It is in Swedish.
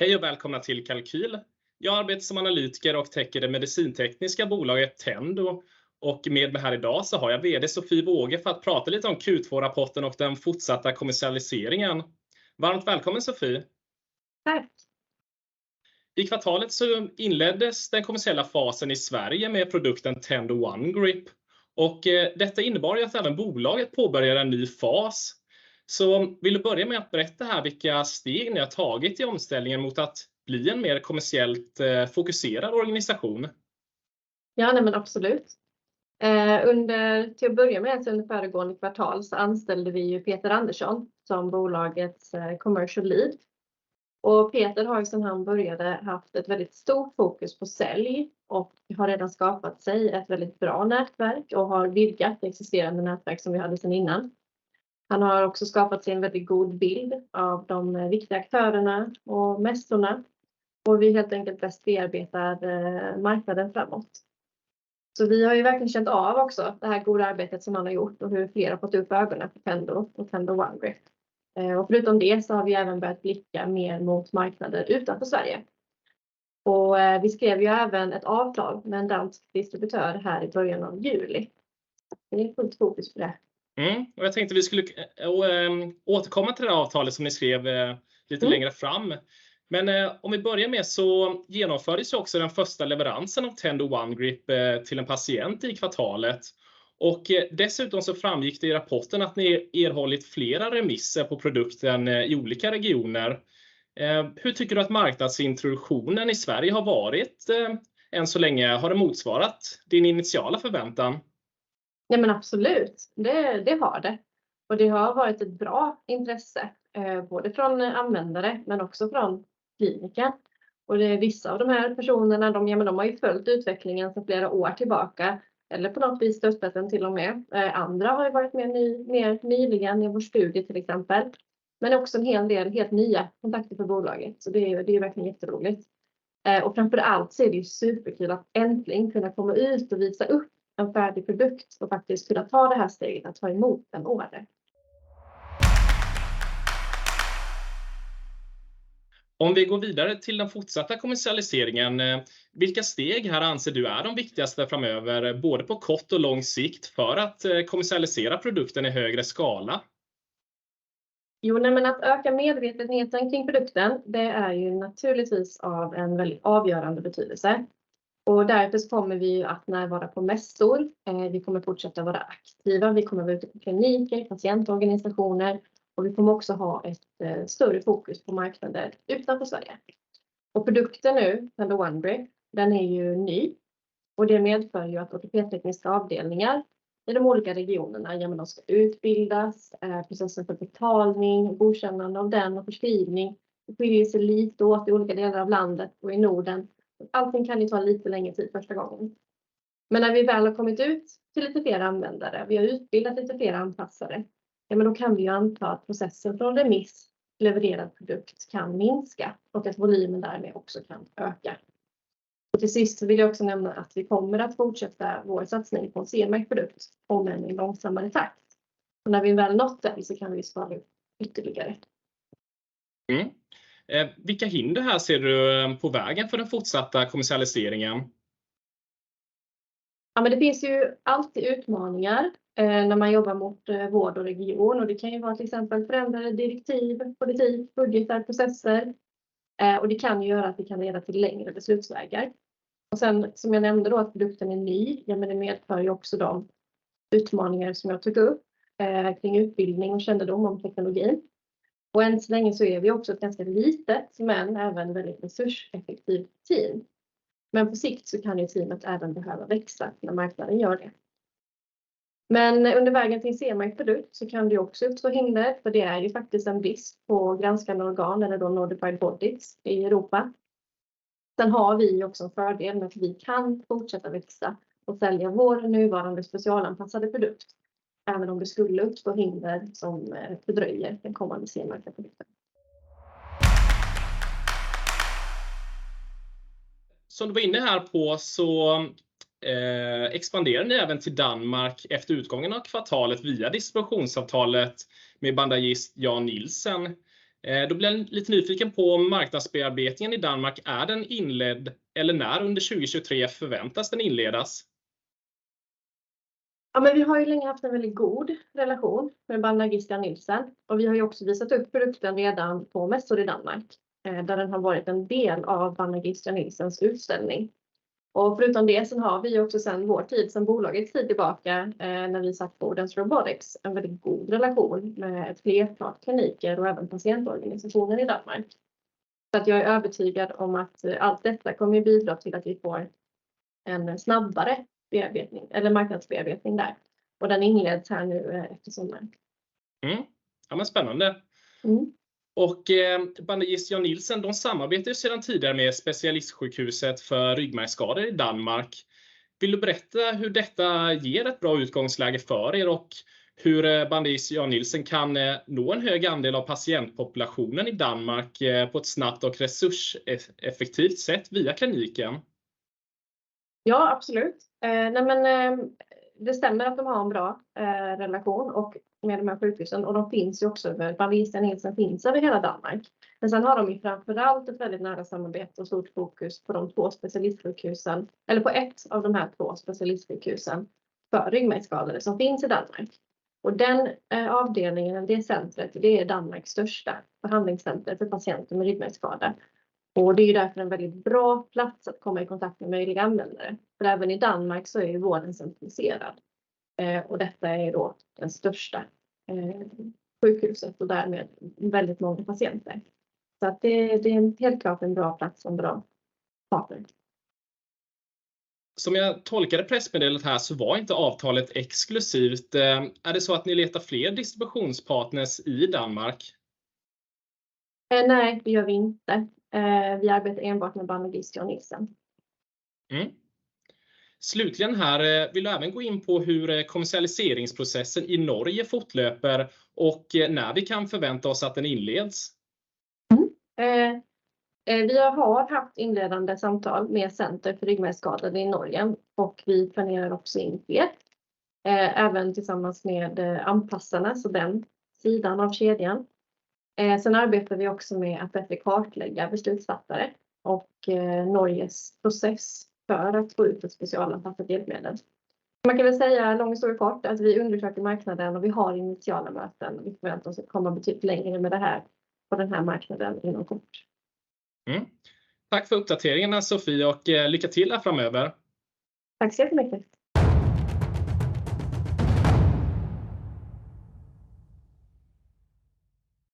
Hej och välkomna till Kalkyl! Jag arbetar som analytiker och täcker det medicintekniska bolaget Tendo. Och med mig här i dag så har jag VD Sofie Båge för att prata lite om Q2-rapporten och den fortsatta kommersialiseringen. Varmt välkommen, Sofie! Tack. I kvartalet inleddes den kommersiella fasen i Sverige med produkten Tendo One Grip, och detta innebar att bolaget påbörjade en ny fas. Vill du börja med att berätta vilka steg ni har tagit i omställningen mot att bli en mer kommersiellt fokuserad organisation? Ja, men absolut. Under föregående kvartal anställde vi Peter Andersson som bolagets Commercial Lead. Peter har sedan han började haft ett väldigt stort fokus på sälj och har redan skapat sig ett väldigt bra nätverk och har virkat existerande nätverk som vi hade sedan innan. Han har också skapat sig en väldigt god bild av de viktiga aktörerna och mässorna och hur vi helt enkelt bäst bearbetar marknaden framåt. Vi har verkligen känt av det här goda arbetet som han har gjort och hur fler har fått upp ögonen för Tendo och Tendo One Grip. Förutom det har vi även börjat blicka mer mot marknader utanför Sverige. Vi skrev även ett avtal med en dansk distributör här i början av juli. Det är fullt fokus för det. Jag tänkte vi skulle återkomma till det avtalet som ni skrev lite längre fram. Om vi börjar med att den första leveransen av Tendo One Grip till en patient genomfördes i kvartalet, och dessutom framgick det i rapporten att ni erhållit flera remisser på produkten i olika regioner. Hur tycker du att marknadsintroduktionen i Sverige har varit än så länge? Har det motsvarat din initiala förväntan? Nej, men absolut, det har det. Det har varit ett bra intresse, både från användare men också från kliniker. Vissa av de här personerna har ju följt utvecklingen sedan flera år tillbaka, eller på något vis stöttat den till och med. Andra har ju varit med mer nyligen i vår studie, till exempel, men också en hel del helt nya kontakter för bolaget. Det är verkligen jätteroligt. Framför allt är det ju superkul att äntligen kunna komma ut och visa upp en färdig produkt och faktiskt kunna ta det här steget att ta emot en order. Om vi går vidare till den fortsatta kommersialiseringen, vilka steg här anser du är de viktigaste framöver, både på kort och lång sikt, för att kommersialisera produkten i högre skala? Att öka medvetenheten kring produkten är naturligtvis av en väldigt avgörande betydelse. Därefter kommer vi att närvara på mässor. Vi kommer att fortsätta vara aktiva, vi kommer att vara ute på kliniker, patientorganisationer och vi kommer också ha ett större fokus på marknader utanför Sverige. Produkten nu, Tendo One Grip, är ny och det medför att ortopedtekniska avdelningar i de olika regionerna ska utbildas. Processen för betalning, godkännande och förskrivning skiljer sig lite åt i olika delar av landet och i Norden. Allting kan ta lite längre tid första gången. Men när vi väl har kommit ut till lite fler användare och utbildat lite fler anpassare, kan vi anta att processen från remiss till levererad produkt kan minska och att volymen därmed också kan öka. Och till sist vill jag också nämna att vi kommer att fortsätta vår satsning på en CE-märkt produkt, om än i långsammare takt. När vi väl nått den så kan vi skala upp ytterligare. Vilka hinder ser du på vägen för den fortsatta kommersialiseringen? Det finns ju alltid utmaningar när man jobbar mot vård och region. Det kan ju vara till exempel förändrade direktiv, politik, budgetar och processer, och det kan ju leda till längre beslutsvägar. Som jag nämnde då, att produkten är ny, men det medför ju också de utmaningar som jag tog upp kring utbildning och kännedom om teknologin. Än så länge är vi också ett ganska litet, men även väldigt resurseffektivt team. På sikt kan ju teamet även behöva växa när marknaden gör det. Under vägen till CE-märkt produkt kan det också uppstå hinder, för det är ju faktiskt en risk på granskande organ, eller notified bodies, i Europa. Sen har vi också en fördel med att vi kan fortsätta växa och sälja vår nuvarande specialanpassade produkt, även om det skulle uppstå hinder som fördröjer den kommande CE-märkta produkten. Som du var inne på expanderar ni även till Danmark efter utgången av kvartalet via distributionsavtalet med Bandagist Jan Nielsen. Då blir jag lite nyfiken på om marknadsbearbetningen i Danmark är inledd, eller när under 2023 förväntas den inledas? Vi har länge haft en väldigt god relation med Bandagist Jan Nielsen och vi har också visat upp produkten redan på mässor i Danmark, där den har varit en del av Bandagist Jan Nielsens utställning. Förutom det så har vi också sedan bolagets tid tillbaka, när vi satt på Odense Robotics, en väldigt god relation med ett flertal kliniker och även patientorganisationer i Danmark. Jag är övertygad om att allt detta kommer att bidra till att vi får en snabbare bearbetning, eller marknadsbearbetning, där. Den inleds här nu efter sommaren. Ja, men spännande! Mm. Och Bandagist Jan Nielsen, de samarbetar ju sedan tidigare med specialistsjukhuset för ryggmärgsskador i Danmark. Vill du berätta hur detta ger ett bra utgångsläge för er och hur Bandagist Jan Nielsen kan nå en hög andel av patientpopulationen i Danmark på ett snabbt och resurseffektivt sätt via kliniken? Ja, absolut. Det stämmer att de har en bra relation med de här sjukhusen, och de finns ju också – Bandivicien-Nielsen finns över hela Danmark. Sen har de ju framför allt ett väldigt nära samarbete och stort fokus på de två specialistsjukhusen, eller på ett av de här två specialistsjukhusen för ryggmärgsskadade som finns i Danmark. Den avdelningen, det centret, är Danmarks största behandlingscenter för patienter med ryggmärgsskada. Det är därför en väldigt bra plats att komma i kontakt med möjliga användare, för även i Danmark är ju vården centraliserad. Detta är den största sjukhuset och därmed har de väldigt många patienter. Det är helt klart en bra plats och en bra partner. Som jag tolkade pressmeddelandet här så var inte avtalet exklusivt. Är det så att ni letar fler distributionspartners i Danmark? Nej, det gör vi inte. Vi arbetar enbart med Bandivicien och Nielsen. Slutligen här, vill du även gå in på hur kommersialiseringsprocessen i Norge fortlöper och när vi kan förvänta oss att den inleds? Vi har haft inledande samtal med Center för ryggmärgsskadade i Norge och vi planerar också in det, även tillsammans med anpassarna, så den sidan av kedjan. Sen arbetar vi också med att bättre kartlägga beslutsfattare och Norges process för att få ut ett specialanpassat hjälpmedel. Man kan väl säga långt och stort i kort att vi undersöker marknaden och vi har initiala möten. Vi förväntar oss att komma betydligt längre med det här på den här marknaden inom kort. Tack för uppdateringarna, Sofie, och lycka till här framöver! Tack så jättemycket.